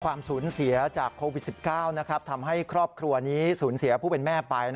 ความสูญเสียจากโควิด๑๙ทำให้ครอบครัวนี้สูญเสียผู้เป็นแม่ไป